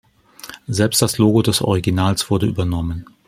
Selbst das Logo des Originals wurde übernommen.